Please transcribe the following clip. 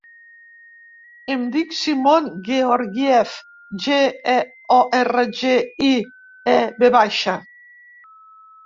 Em dic Simon Georgiev: ge, e, o, erra, ge, i, e, ve baixa.